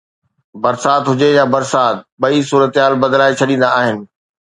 برسات هجي يا برسات، ٻئي صورتحال بدلائي ڇڏيندا آهن